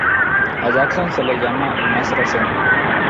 A Jackson se le llama el "Maestro Zen".